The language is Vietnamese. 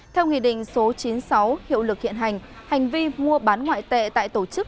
theo nghị định số chín mươi sáu hiệu lực hiện hành hành vi mua bán ngoại tệ tại tổ chức